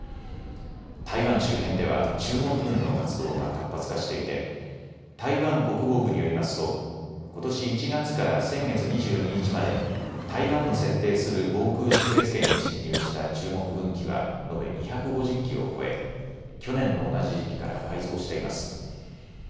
台湾周辺では中国軍の活動が活発化していて台湾国防部によりますとことし１月から先月２２日までに台湾の設定する防空識別圏に進入した中国軍機は延べ２５０機を超え、去年の同じ時期から倍増しています。